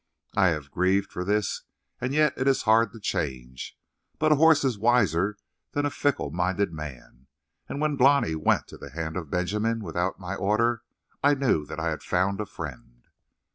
I have grieved for this and yet it is hard to change. But a horse is wiser than a fickle minded man, and when Glani went to the hand of Benjamin without my order, I knew that I had found a friend."